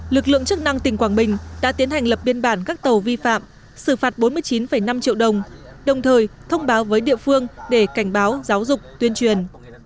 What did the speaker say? lực lượng chức năng tỉnh quảng bình đã tiến hành lập biên bản các tàu vi phạm xử phạt bốn mươi chín năm triệu đồng đồng thời thông báo với địa phương để cảnh báo giáo dục tuyên truyền